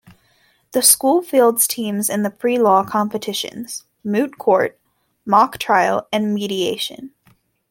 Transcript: The school fields teams in the pre-law competitions: Moot Court, Mock Trial and Mediation.